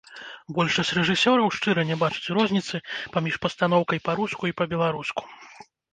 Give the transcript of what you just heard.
Большасць рэжысёраў шчыра не бачыць розніцы паміж пастаноўкай па-руску і па-беларуску!